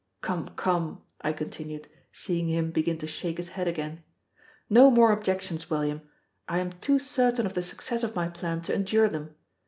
Come! come!" I continued, seeing him begin to shake his head again; "no more objections, William, I am too certain of the success of my plan to endure them.